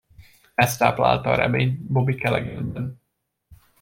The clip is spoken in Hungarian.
Ez táplálta a reményt Bobby Calaghanben.